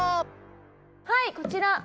はいこちら。